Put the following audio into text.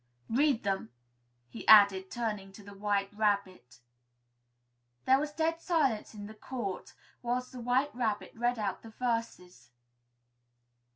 "Read them," he added, turning to the White Rabbit. There was dead silence in the court whilst the White Rabbit read out the verses.